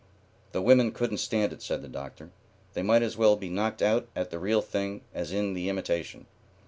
"The women couldn't stand it," said the Doctor. "They might as well be knocked out at the real thing as in the imitation."